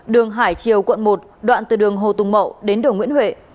đường hải triều quận một đoạn từ đường hồ tùng mậu đến đường nguyễn huệ